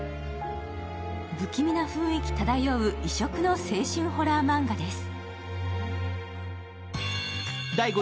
不気味な雰囲気漂う異色の青春ホラーマンガです。